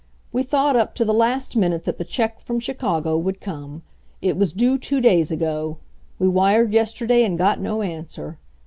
"We thought up to the last minute that the check from Chicago would come. It was due two days ago. We wired yesterday and got no answer.